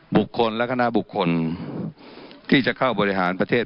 บุคคลและคณะบุคคลที่จะเข้าบริหารประเทศ